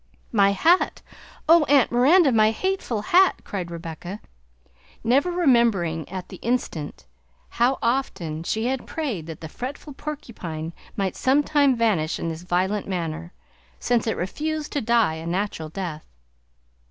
"My hat! Oh! Aunt Miranda, my hateful hat!" cried Rebecca, never remembering at the instant how often she had prayed that the "fretful porcupine" might some time vanish in this violent manner, since it refused to die a natural death.